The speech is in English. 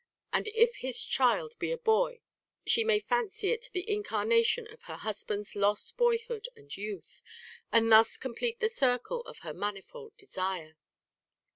And if his child be a boy, she may fancy it the incarnation of her husband's lost boyhood and youth, and thus complete the circle of her manifold desire.